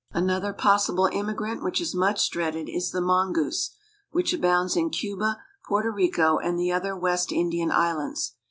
Another possible immigrant which is much dreaded is the mongoose, which abounds in Cuba, Porto Rico, and the other West Indian Islands.